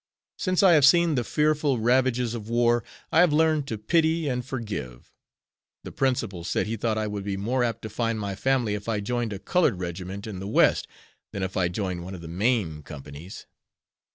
Since I have seen the fearful ravages of war, I have learned to pity and forgive. The principal said he thought I would be more apt to find my family if I joined a colored regiment in the West than if I joined one of the Maine companies.